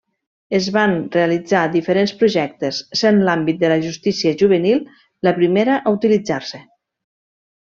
Es van realitzar diferents projectes, sent l'àmbit de la justícia juvenil la primera a utilitzar-se.